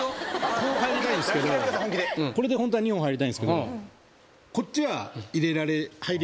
こう入りたいんですけどこれでホントは２本入りたいんですけど。